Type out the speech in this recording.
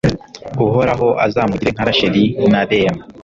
uhoraho azamugire nka rasheli na leya